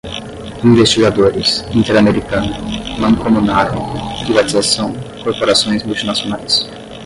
investigadores, interamericana, mancomunaram, privatização, corporações multinacionais